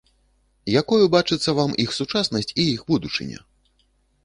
Якою бачыцца вам іх сучаснасць і іх будучыня?